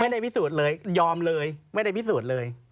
ไม่ได้พิสูจน์เลยยอมเลยไม่ได้พิสูจน์เลย